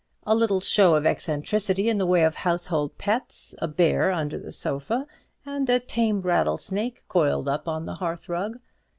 A little show of eccentricity in the way of household pets: a bear under the sofa, and a tame rattlesnake coiled upon the hearth rug.